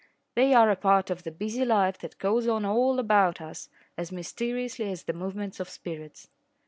They are a part of the busy life that goes on all about us as mysteriously as the movements of spirits.